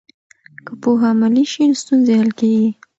که پوهه عملي شي، ستونزې حل کېږي.